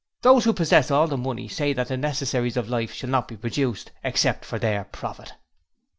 Those who possess all the money say that the necessaries of life shall not be produced except for their profit.'